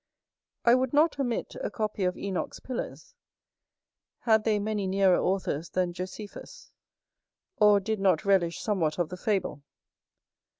I would not omit a copy of Enoch's pillars, had they many nearer authors than Josephus, or did not relish somewhat of the fable.